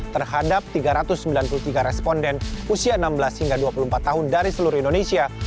terhadap tiga ratus sembilan puluh tiga responden usia enam belas hingga dua puluh empat tahun dari seluruh indonesia